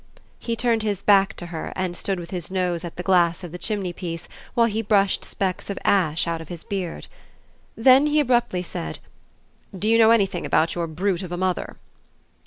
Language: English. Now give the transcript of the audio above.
He turned his back to her and stood with his nose at the glass of the chimneypiece while he brushed specks of ash out of his beard. Then he abruptly said: "Do you know anything about your brute of a mother?"